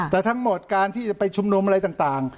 แต่ทั้งหมดการที่จะไปชุมนุมอะไรต่าง